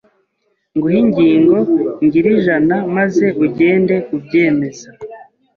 Nguhe ingingo ngire ijana Maze ugende ubyemeza